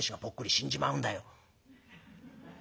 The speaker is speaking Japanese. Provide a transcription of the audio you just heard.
「死んじまうんだ」。